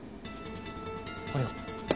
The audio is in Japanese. これを。